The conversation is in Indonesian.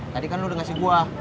tadi kan lo dengerin gue